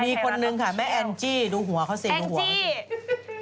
มีคนหนึ่งค่ะแม่แอนจี้ดูหัวเค้าเสียงหัวแอนจี้